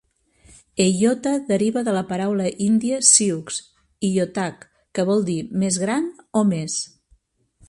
Eyota deriva de la paraula índia sioux "iyotak", que vol dir "més gran" o "més".